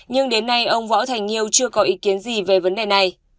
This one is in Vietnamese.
nhưng đến nay ông võ thành nhiều chưa có ý kiến gì về vấn đề này